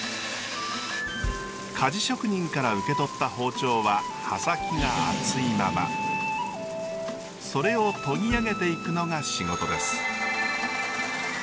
鍛冶職人から受け取った包丁はそれを研ぎあげていくのが仕事です。